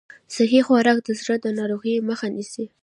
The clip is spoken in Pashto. صحي خوراک د زړه د ناروغیو مخه نیسي.